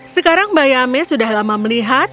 sekarang bayame sudah lama melihat